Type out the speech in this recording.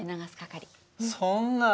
そんな。